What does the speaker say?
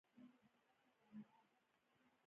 بادرنګ د بدن نظام تنظیموي.